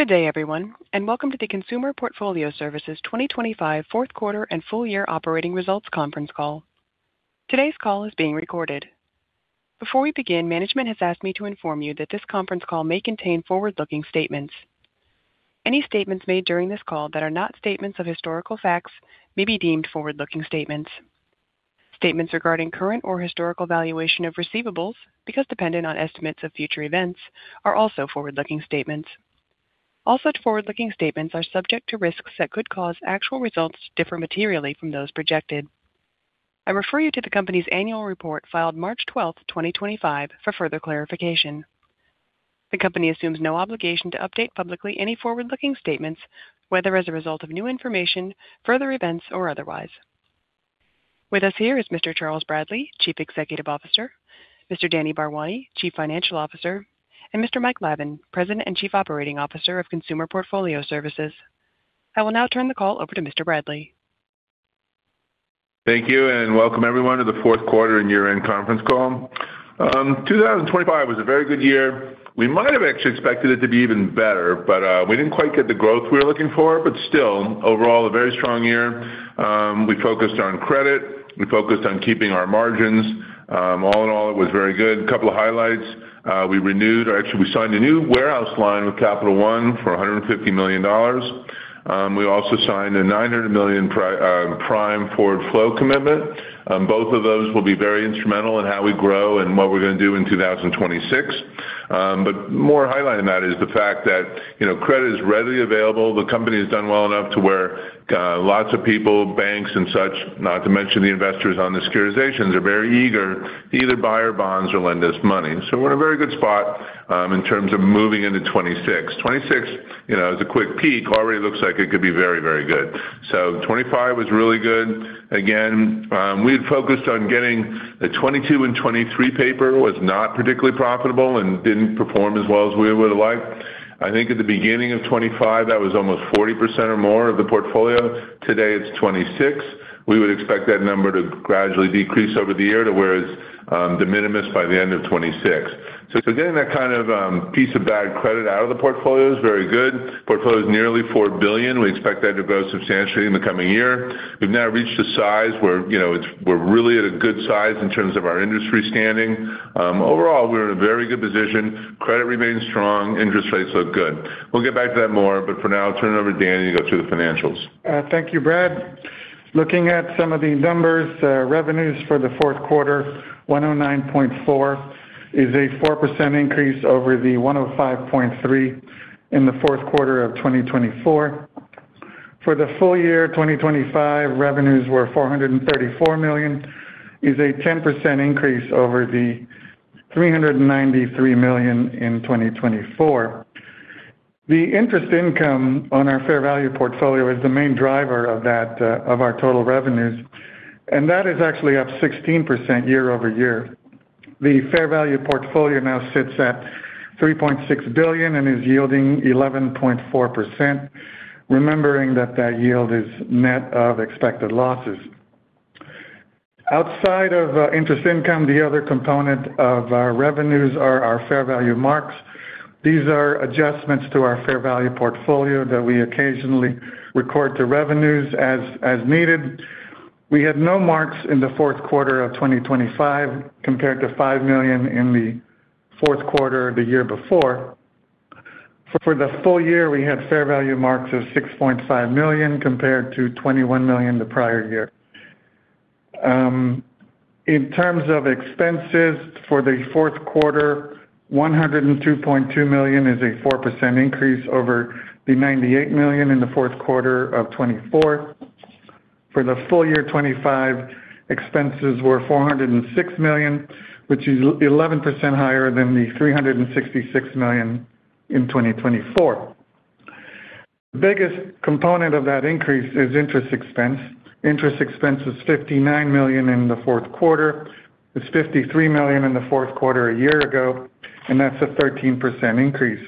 Good day, everyone, and welcome to the Consumer Portfolio Services 2025 fourth quarter and full year operating results conference call. Today's call is being recorded. Before we begin, management has asked me to inform you that this conference call may contain forward-looking statements. Any statements made during this call that are not statements of historical facts may be deemed forward-looking statements. Statements regarding current or historical valuation of receivables, because dependent on estimates of future events, are also forward-looking statements. All such forward-looking statements are subject to risks that could cause actual results to differ materially from those projected. I refer you to the company's annual report filed March 12, 2025, for further clarification. The company assumes no obligation to update publicly any forward-looking statements, whether as a result of new information, further events, or otherwise. With us here is Mr. Charles Bradley, Chief Executive Officer, Mr. Denesh Bharwani, Chief Financial Officer, and Mr. Michael Lavin, President and Chief Operating Officer of Consumer Portfolio Services. I will now turn the call over to Mr. Bradley. Thank you, and welcome everyone to the fourth quarter and year-end conference call. 2025 was a very good year. We might have actually expected it to be even better, but we didn't quite get the growth we were looking for. Still, overall, a very strong year. We focused on credit. We focused on keeping our margins. All in all, it was very good. A couple of highlights, we renewed or actually, we signed a new warehouse line with Capital One for $150 million. We also signed a $900 million Prime Forward Flow commitment. Both of those will be very instrumental in how we grow and what we're gonna do in 2026. More highlight in that is the fact that, you know, credit is readily available. The company has done well enough to where lots of people, banks and such, not to mention the investors on the securitizations, are very eager to either buy our bonds or lend us money. We're in a very good spot in terms of moving into 2026. 2026, you know, as a quick peek, already looks like it could be very, very good. 2025 was really good. Again, we had focused on getting the 2022 and 2023 paper was not particularly profitable and didn't perform as well as we would've liked. I think at the beginning of 2025, that was almost 40% or more of the portfolio. Today it's 26%. We would expect that number to gradually decrease over the year to where it's de minimis by the end of 2026. Getting that kind of piece of bad credit out of the portfolio is very good. Portfolio is nearly $4 billion. We expect that to grow substantially in the coming year. We've now reached a size where, you know, we're really at a good size in terms of our industry standing. Overall, we're in a very good position. Credit remains strong. Interest rates look good. We'll get back to that more, but for now, I'll turn it over to Denesh to go through the financials. Thank you, Bradley. Looking at some of the numbers, revenues for the fourth quarter, $109.4 million is a 4% increase over the $105.3 million in the fourth quarter of 2024. For the full year, 2025 revenues were $434 million, is a 10% increase over the $393 million in 2024. The interest income on our fair value portfolio is the main driver of that, of our total revenues, and that is actually up 16% year-over-year. The fair value portfolio now sits at $3.6 billion and is yielding 11.4%, remembering that that yield is net of expected losses. Outside of interest income, the other component of our revenues are our fair value marks. These are adjustments to our fair value portfolio that we occasionally record to revenues as needed. We had no marks in the fourth quarter of 2025 compared to $5 million in the fourth quarter the year before. For the full year, we had fair value marks of $6.5 million compared to $21 million the prior year. In terms of expenses for the fourth quarter, $102.2 million is a 4% increase over the $98 million in the fourth quarter of 2024. For the full year, 2025 expenses were $406 million, which is 11% higher than the $366 million in 2024. The biggest component of that increase is interest expense. Interest expense is $59 million in the fourth quarter. It's $53 million in the fourth quarter a year ago, and that's a 13% increase.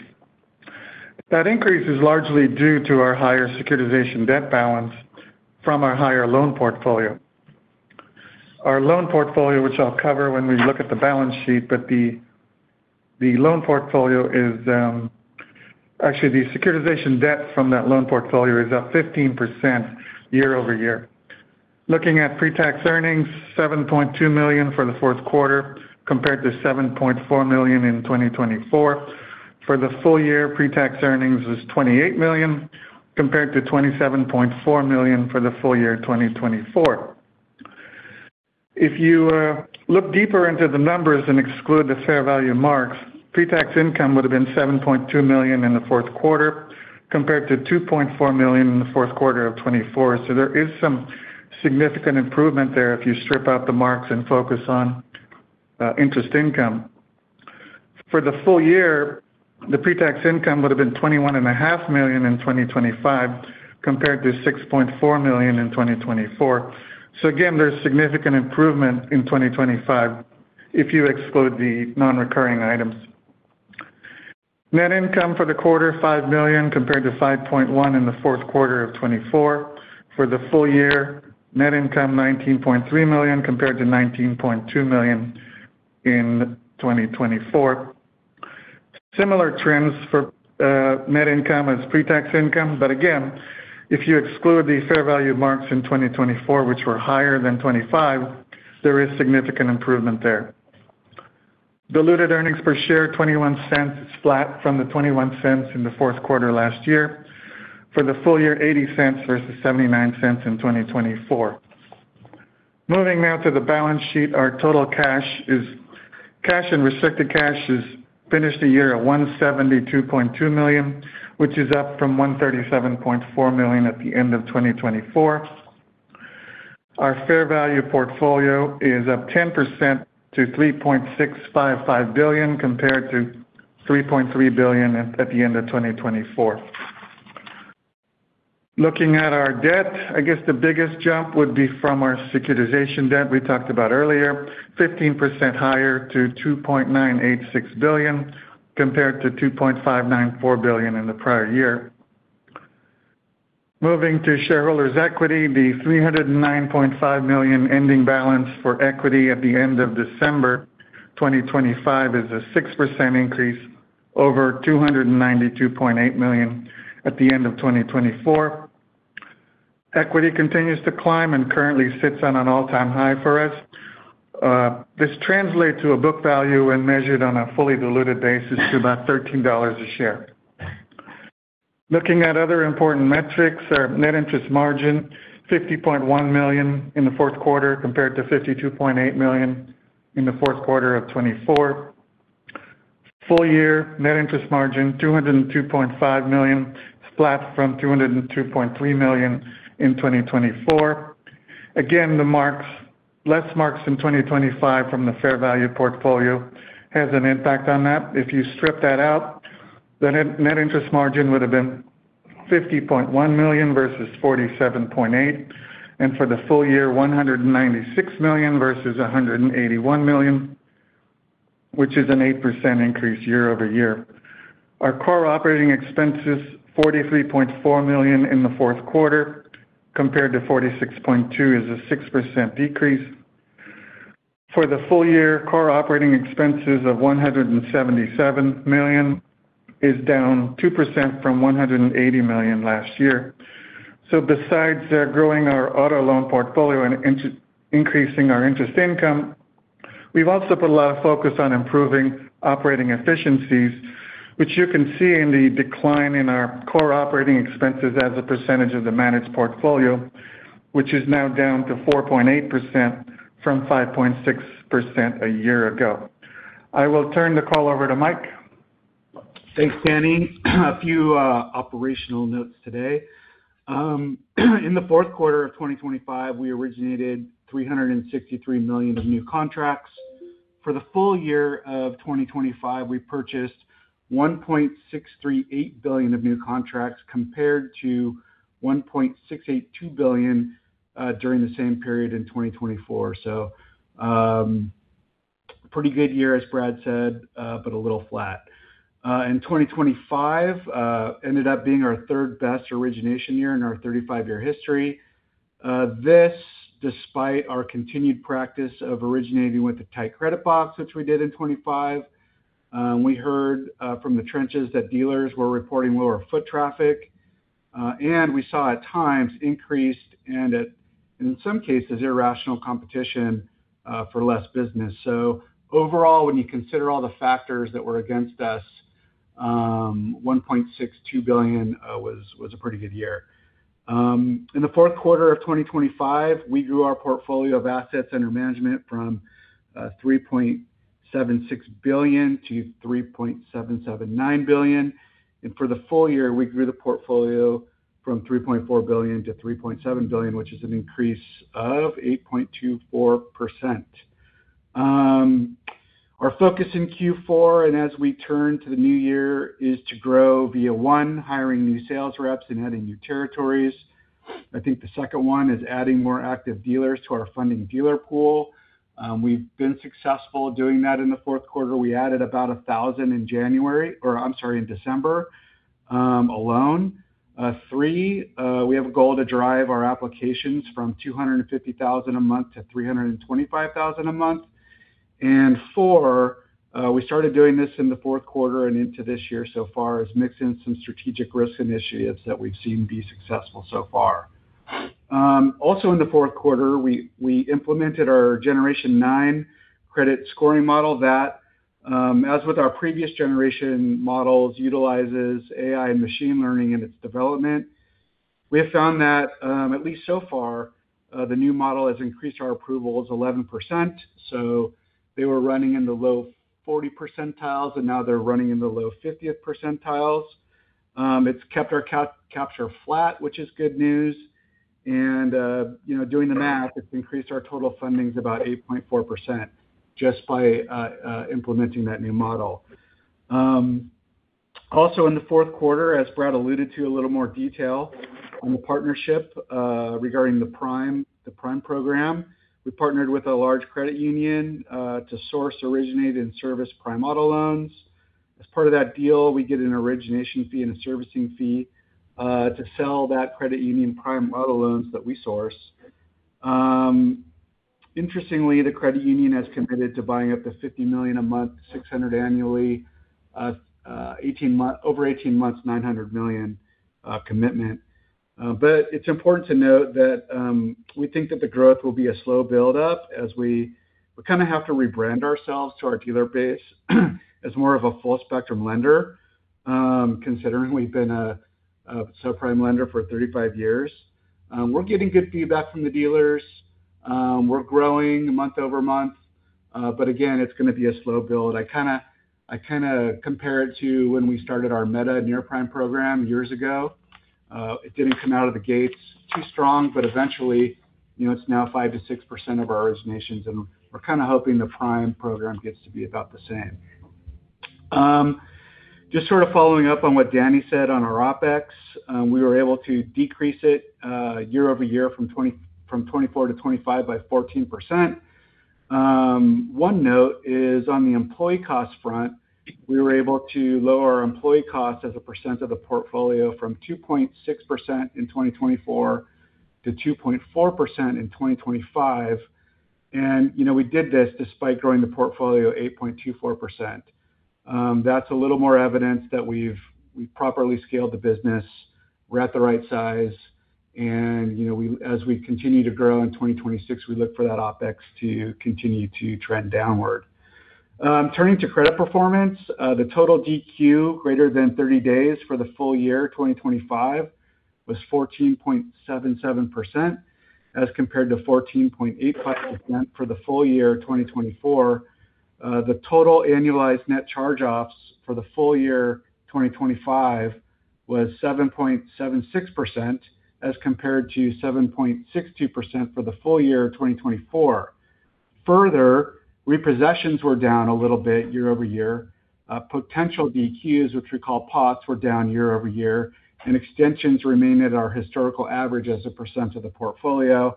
That increase is largely due to our higher securitization debt balance from our higher loan portfolio. Our loan portfolio, which I'll cover when we look at the balance sheet. Actually, the securitization debt from that loan portfolio is up 15% year-over-year. Looking at pre-tax earnings, $7.2 million for the fourth quarter compared to $7.4 million in 2024. For the full year, pre-tax earnings is $28 million compared to $27.4 million for the full year 2024. If you look deeper into the numbers and exclude the fair value marks, pre-tax income would have been $7.2 million in the fourth quarter compared to $2.4 million in the fourth quarter of 2024. There is some significant improvement there if you strip out the marks and focus on interest income. For the full year, the pre-tax income would have been $21 and a half million in 2025 compared to $6.4 million in 2024. Again, there's significant improvement in 2025 if you exclude the non-recurring items. Net income for the quarter, $5 million compared to $5.1 million in the fourth quarter of 2024. For the full year, net income $19.3 million compared to $19.2 million in 2024. Similar trends for net income as pre-tax income. Again, if you exclude the fair value marks in 2024, which were higher than 2025, there is significant improvement there. Diluted earnings per share, $0.21, flat from the $0.21 in the fourth quarter last year. For the full year, $0.80 versus $0.79 in 2024. Moving now to the balance sheet. Our total cash and restricted cash finished the year at $172.2 million, which is up from $137.4 million at the end of 2024. Our fair value portfolio is up 10% to $3.655 billion, compared to $3.3 billion at the end of 2024. Looking at our debt, I guess the biggest jump would be from our securitization debt we talked about earlier. 15% higher to $2.986 billion, compared to $2.594 billion in the prior year. Moving to shareholders' equity. The $309.5 million ending balance for equity at the end of December 2025 is a 6% increase over $292.8 million at the end of 2024. Equity continues to climb and currently sits on an all-time high for us. This translates to a book value when measured on a fully diluted basis to about $13 a share. Looking at other important metrics. Our Net Interest Margin, $50.1 million in the fourth quarter compared to $52.8 million in the fourth quarter of 2024. Full year Net Interest Margin, $202.5 million, flat from $202.3 million in 2024. Again, the marks, less marks in 2025 from the fair value portfolio has an impact on that. If you strip that out, the Net Interest Margin would have been $50.1 million versus $47.8 million. For the full year, $196 million versus $181 million, which is an 8% increase year-over-year. Our core operating expenses, $43.4 million in the fourth quarter compared to $46.2 million is a 6% decrease. For the full year, core operating expenses of $177 million is down 2% from $180 million last year. Besides, growing our auto loan portfolio and increasing our interest income, we've also put a lot of focus on improving operating efficiencies, which you can see in the decline in our core operating expenses as a percentage of the managed portfolio, which is now down to 4.8% from 5.6% a year ago. I will turn the call over to Michael. Thanks, Denesh. A few operational notes today. In the fourth quarter of 2025, we originated $363 million of new contracts. For the full year of 2025, we purchased $1.638 billion of new contracts, compared to $1.682 billion during the same period in 2024. Pretty good year, as Bradley said, but a little flat. In 2025 ended up being our third-best origination year in our 35-year history. This, despite our continued practice of originating with the tight credit box, which we did in 2025. We heard from the trenches that dealers were reporting lower foot traffic. We saw at times increased, in some cases, irrational competition for less business. Overall, when you consider all the factors that were against us, $1.62 billion was a pretty good year. In the fourth quarter of 2025, we grew our portfolio of assets under management from $3.76 billion to $3.779 billion. For the full year, we grew the portfolio from $3.4 billion to $3.7 billion, which is an increase of 8.24%. Our focus in Q4 and as we turn to the new year is to grow via one, hiring new sales reps and adding new territories. I think the second one is adding more active dealers to our funding dealer pool. We've been successful doing that in the fourth quarter. We added about 1,000 in December alone. Three, we have a goal to drive our applications from 250,000 a month to 325,000 a month. Four, we started doing this in the fourth quarter and into this year so far, is mix in some strategic risk initiatives that we've seen be successful so far. Also in the fourth quarter, we implemented our Generation nine credit scoring model that, as with our previous generation models, utilizes AI and machine learning in its development. We have found that, at least so far, the new model has increased our approvals 11%. So they were running in the low 40s percentiles, and now they're running in the low 50s percentiles. It's kept our capture flat, which is good news. You know, doing the math, it's increased our total fundings about 8.4% just by implementing that new model. Also in the fourth quarter, as Brad alluded to, a little more detail on the partnership regarding the Prime program. We partnered with a large credit union to source, originate, and service Prime auto loans. As part of that deal, we get an origination fee and a servicing fee to sell to that credit union Prime auto loans that we source. Interestingly, the credit union has committed to buying up to $50 million a month, $600 million annually, over 18 months, $900 million commitment. It's important to note that we think that the growth will be a slow build-up as we kinda have to rebrand ourselves to our dealer base as more of a full spectrum lender, considering we've been a subprime lender for 35 years. We're getting good feedback from the dealers. We're growing month-over-month. Again, it's gonna be a slow build. I kinda compare it to when we started our MeTA near-prime program years ago. It didn't come out of the gates too strong, but eventually, you know, it's now 5%-6% of our originations, and we're kinda hoping the Prime program gets to be about the same. Just sort of following up on what Danny said on our OpEx. We were able to decrease it year over year from 2024 to 2025 by 14%. One note is on the employee cost front. We were able to lower our employee cost as a percent of the portfolio from 2.6% in 2024 to 2.4% in 2025. You know, we did this despite growing the portfolio 8.24%. That's a little more evidence that we've properly scaled the business. We're at the right size. You know, as we continue to grow in 2026, we look for that OpEx to continue to trend downward. Turning to credit performance. The total DQ greater than 30 days for the full year 2025 was 14.77%, as compared to 14.85% for the full year of 2024. The total annualized net charge-offs for the full year 2025 was 7.76%, as compared to 7.62% for the full year of 2024. Further, repossessions were down a little bit year-over-year. Potential DQs, which we call POTS, were down year-over-year. Extensions remain at our historical average as a percent of the portfolio.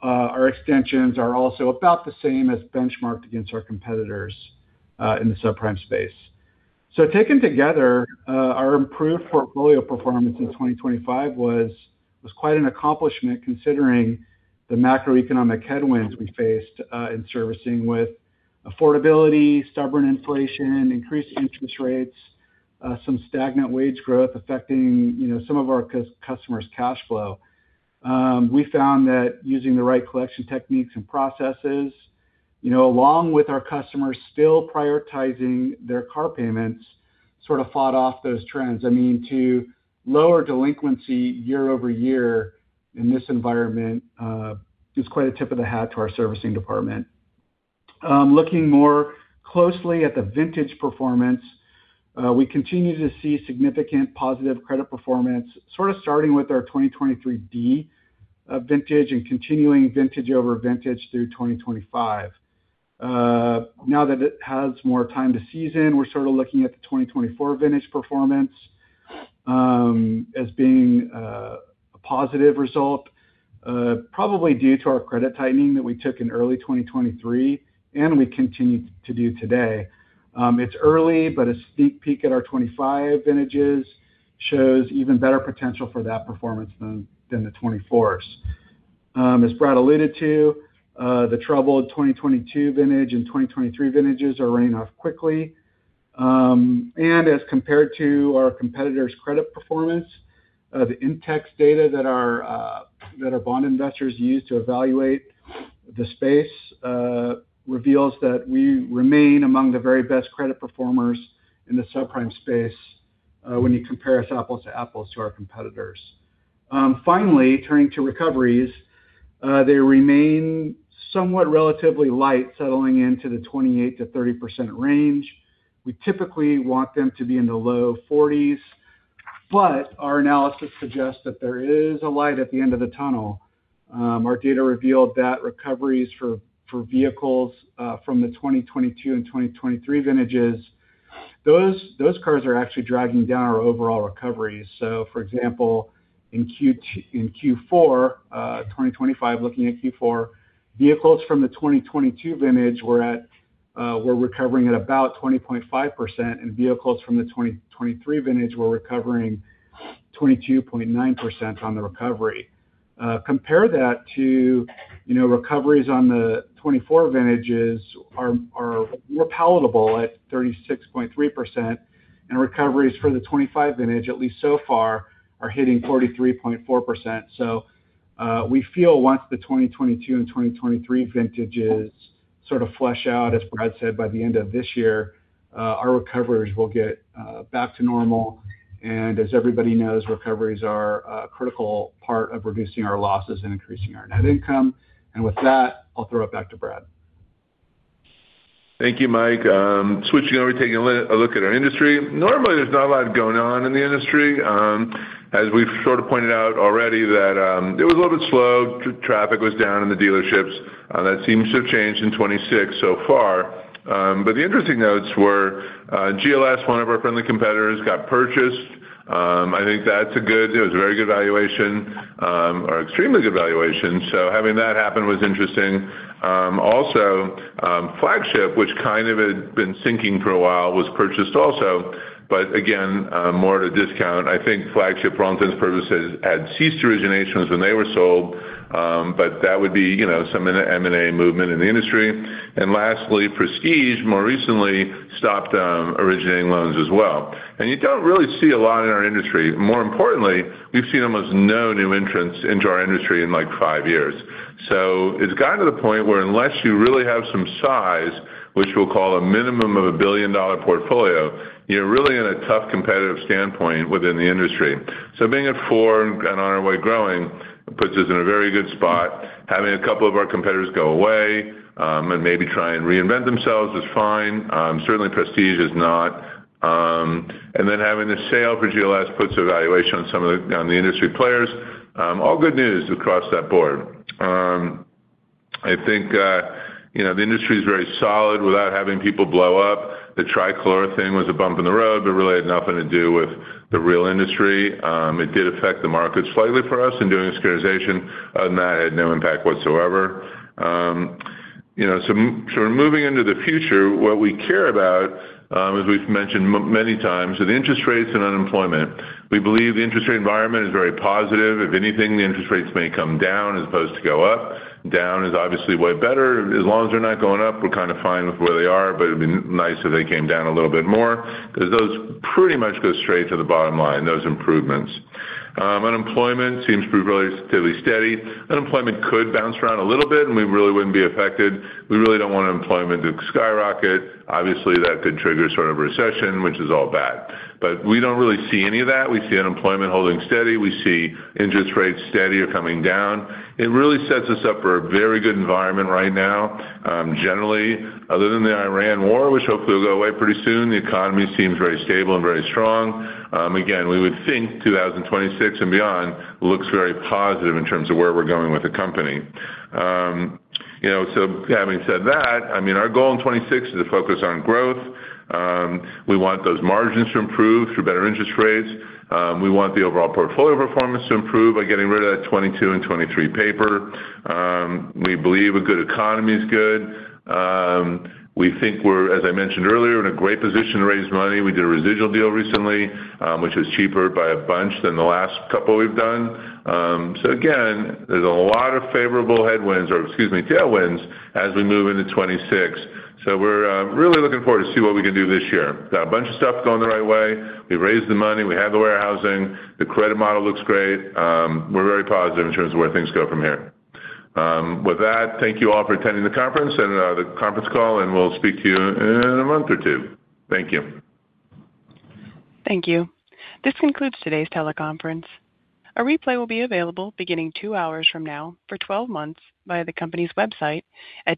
Our extensions are also about the same as benchmarked against our competitors in the subprime space. Taken together, our improved portfolio performance in 2025 was quite an accomplishment, considering the macroeconomic headwinds we faced in servicing with affordability, stubborn inflation, increased interest rates, some stagnant wage growth affecting, you know, some of our customers' cash flow. We found that using the right collection techniques and processes, you know, along with our customers still prioritizing their car payments, sort of fought off those trends. I mean, to lower delinquency year-over-year in this environment is quite a tip of the hat to our servicing department. Looking more closely at the vintage performance, we continue to see significant positive credit performance, sort of starting with our 2023 D vintage and continuing vintage over vintage through 2025. Now that it has more time to season, we're sort of looking at the 2024 vintage performance as being a positive result, probably due to our credit tightening that we took in early 2023, and we continue to do today. It's early, but a sneak peek at our 2025 vintages shows even better potential for that performance than the 2024s. As Brad alluded to, the troubled 2022 vintage and 2023 vintages are running off quickly. As compared to our competitors' credit performance, the Intex data that our bond investors use to evaluate the space reveals that we remain among the very best credit performers in the subprime space when you compare us apples to apples to our competitors. Finally, turning to recoveries, they remain somewhat relatively light, settling into the 28%-30% range. We typically want them to be in the low 40s. Our analysis suggests that there is a light at the end of the tunnel. Our data revealed that recoveries for vehicles from the 2022 and 2023 vintages, those cars are actually dragging down our overall recoveries. For example, in Q4 2025, looking at Q4, vehicles from the 2022 vintage were recovering at about 20.5%, and vehicles from the 2023 vintage were recovering 22.9% on the recovery. Compare that to, you know, recoveries on the 2024 vintages are more palatable at 36.3%, and recoveries for the 2025 vintage, at least so far, are hitting 43.4%. We feel once the 2022 and 2023 vintages sort of flesh out, as Brad said, by the end of this year, our recoveries will get back to normal. As everybody knows, recoveries are a critical part of reducing our losses and increasing our net income. With that, I'll throw it back to Bradley. Thank you, Michael. Switching over, taking a look at our industry. Normally, there's not a lot going on in the industry. As we've sort of pointed out already that, it was a little bit slow. Traffic was down in the dealerships. That seems to have changed in 2026 so far. The interesting notes were, GLS, one of our friendly competitors, got purchased. I think that's a good. It was a very good valuation, or extremely good valuation. Having that happen was interesting. Also, Flagship, which kind of had been sinking for a while, was purchased also, but again, more at a discount. I think Flagship, for all intents and purposes, had ceased originations when they were sold, but that would be, you know, some of the M&A movement in the industry. Lastly, Prestige, more recently, stopped originating loans as well. You don't really see a lot in our industry. More importantly, we've seen almost no new entrants into our industry in, like, five years. It's gotten to the point where unless you really have some size, which we'll call a minimum of a billion-dollar portfolio, you're really in a tough competitive standpoint within the industry. Being at four and on our way growing puts us in a very good spot. Having a couple of our competitors go away, and maybe try and reinvent themselves is fine. Certainly Prestige is not. Then having the sale for GLS puts valuation on the industry players. All good news across the board. I think, you know, the industry is very solid without having people blow up. The Tricolor thing was a bump in the road, but really had nothing to do with the real industry. It did affect the markets slightly for us in doing the securitization. Other than that, it had no impact whatsoever. You know, so moving into the future, what we care about, as we've mentioned many times, is interest rates and unemployment. We believe the interest rate environment is very positive. If anything, the interest rates may come down as opposed to go up. Down is obviously way better. As long as they're not going up, we're kinda fine with where they are, but it'd be nice if they came down a little bit more because those pretty much go straight to the bottom line, those improvements. Unemployment seems to be relatively steady. Unemployment could bounce around a little bit, and we really wouldn't be affected. We really don't want unemployment to skyrocket. Obviously, that could trigger sort of a recession, which is all bad. We don't really see any of that. We see unemployment holding steady. We see interest rates steady or coming down. It really sets us up for a very good environment right now. Generally, other than the Iran war, which hopefully will go away pretty soon, the economy seems very stable and very strong. Again, we would think 2026 and beyond looks very positive in terms of where we're going with the company. You know, having said that, I mean, our goal in 2026 is to focus on growth. We want those margins to improve through better interest rates. We want the overall portfolio performance to improve by getting rid of that 2022 and 2023 paper. We believe a good economy is good. We think we're, as I mentioned earlier, in a great position to raise money. We did a residual deal recently, which is cheaper by a bunch than the last couple we've done. So again, there's a lot of favorable headwinds or, excuse me, tailwinds as we move into 2026. We're really looking forward to see what we can do this year. Got a bunch of stuff going the right way. We've raised the money. We have the warehousing. The credit model looks great. We're very positive in terms of where things go from here. With that, thank you all for attending the conference and the conference call, and we'll speak to you in a month or two. Thank you. Thank you. This concludes today's teleconference. A replay will be available beginning two2 hours from now for 12 months via the company's website at